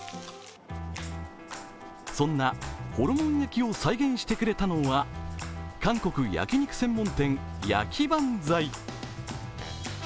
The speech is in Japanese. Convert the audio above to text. そんなホルモン焼きを再現してくれたのは韓国焼肉専門店ヤキバンザイ。